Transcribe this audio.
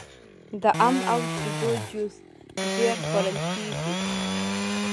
د ام او شیدو جوس ډیر خوړل کیږي.